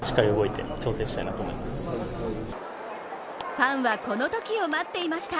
ファンは、このときを待っていました。